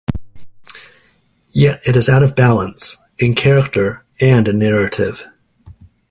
Yet it is out of balance, in character and in narrative.